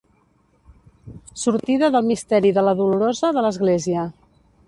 Sortida del Misteri de la Dolorosa de l'Església.